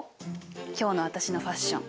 今日の私のファッション。